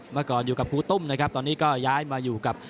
มาก่อนอยู่กับครูตุ้มตอนนี้ก็ย้ายมาอยู่กับ